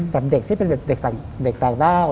กับเด็กที่เป็นเด็กต่างด้าว